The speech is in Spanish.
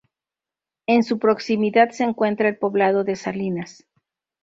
En su proximidad se encuentra el Poblado de Salinas.